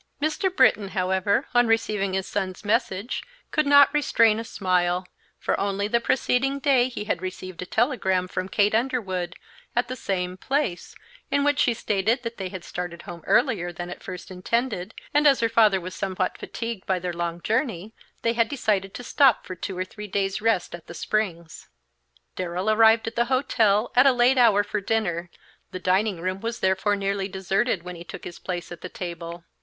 Mr. Britton, however, on receiving his son's message, could not restrain a smile, for only the preceding day he had received a telegram from Kate Underwood, at the same place, in which she stated that they had started home earlier than at first intended, and as her father was somewhat fatigued by their long journey, they had decided to stop for two or three days' rest at the Springs. Darrell arrived at the hotel at a late hour for dinner; the dining room was therefore nearly deserted when he took his place at the table.